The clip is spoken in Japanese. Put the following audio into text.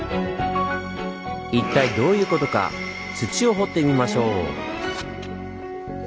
一体どういうことか土を掘ってみましょう！